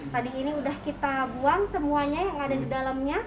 tadi ini udah kita buang semuanya yang ada di dalamnya